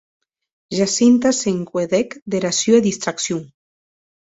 Jacinta se n’encuedèc dera sua distraccion.